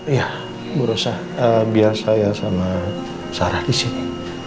iya berusaha biar saya sama sarah di sini